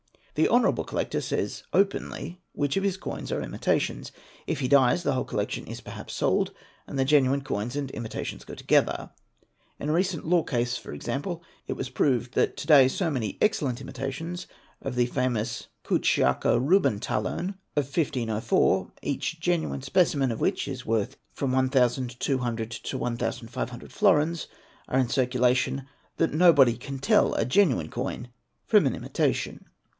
The honourable collector says openly which of his coins are imitations. If he dies, the whole collection is perhaps sold, and the genuine coins and imitations go together. In a recent law case for example, it was proved that to day so many excellent imitations of the famous "' Keutschacher Rubentalern"' of 1504, each genuine specimen of which is worth from 1200 to 1500 florins, are in were. that nobody — can tell a genuine coin from an imitation *.